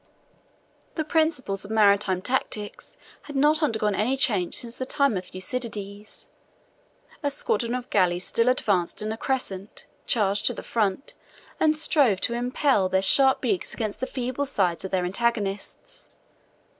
74 The principles of maritime tactics had not undergone any change since the time of Thucydides: a squadron of galleys still advanced in a crescent, charged to the front, and strove to impel their sharp beaks against the feeble sides of their antagonists.